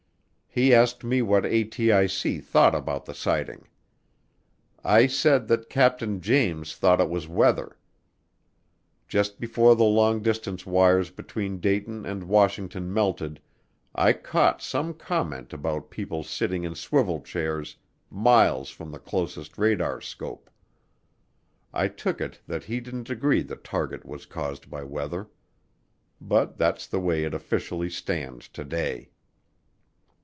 He asked me what ATIC thought about the sighting. I said that Captain James thought it was weather. Just before the long distance wires between Dayton and Washington melted, I caught some comment about people sitting in swivel chairs miles from the closest radarscope. ... I took it that he didn't agree the target was caused by weather. But that's the way it officially stands today.